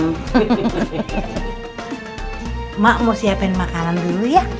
mak mau siapin makanan dulu ya